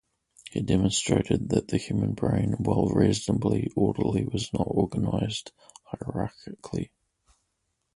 He demonstrated that the human brain, while reasonably orderly was not organized hierarchically.